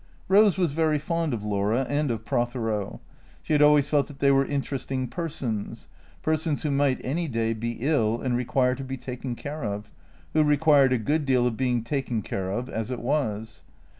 Rose was very fond of Laura and of Prothero. She had always felt that they were interesting persons, persons who might any day be ill and require to be taken care of, who re quired a good deal of being taken care of, as it was.